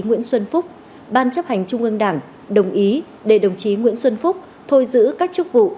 nguyễn xuân phúc ban chấp hành trung ương đảng đồng ý để đồng chí nguyễn xuân phúc thôi giữ các chức vụ